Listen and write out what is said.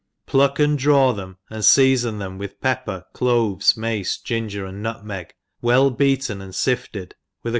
PLUCK and draw them*, and fca^fon thera with pcppcr/cloYcsf^mace, ginger, aq^ nutmeg, well beaten and fiftcd, with a.